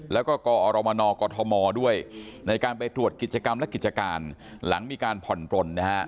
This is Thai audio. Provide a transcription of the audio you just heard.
แล้วก็กอรมนกฎธมด้วยในการไปตรวจกิจกรรมและกิจการหลังมีการผ่อนปลนนะฮะ